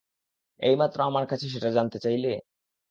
এইমাত্র আমার কাছে সেটা জানতে চাইলে?